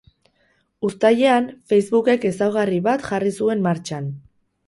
Uztailean, facebookek ezaugarri berri bat jarri zuen martxan.